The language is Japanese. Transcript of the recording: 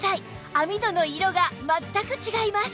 網戸の色が全く違います